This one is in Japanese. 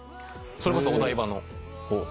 それこそお台場の。